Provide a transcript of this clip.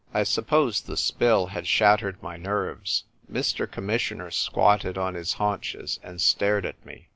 I suppose the spill had shattered my nerves. Mr. Commis sioner squatted on his haunches and stared at mc.